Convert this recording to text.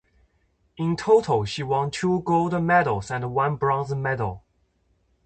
In total she won two gold medals and one bronze medal.